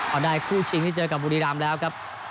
เอาได้คู่ชิงที่เจอกับบุรีรำแล้วครับ